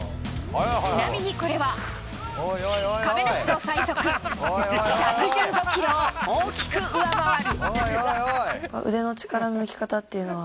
ちなみにこれは亀梨の最速１１５キロを大きく上回る。